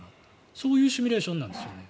そういうシミュレーションなんですよね。